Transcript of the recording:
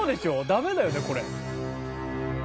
ダメだよねこれ。